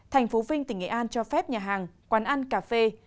thành phố vinh tỉnh nghệ an cho phép nhà hàng quán ăn cà phê